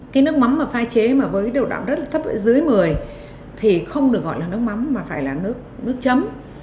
cái nước mắm mà phai chế mà với điều đoạn rất là thấp với dưới một mươi thì không được gọi là nước mắm mà phải là nước chấm